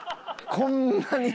こんなに。